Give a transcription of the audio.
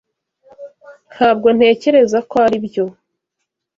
Ntabwo ntekereza ko aribyo.